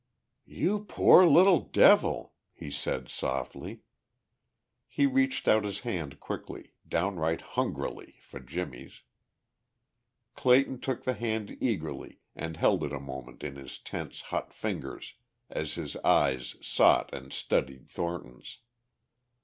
"You poor little devil!" he said softly. He reached out his hand quickly, downright hungrily, for Jimmie's. Clayton took the hand eagerly and held it a moment in his tense hot fingers as his eyes sought and studied Thornton's.